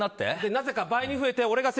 なぜか、倍に増えて俺が。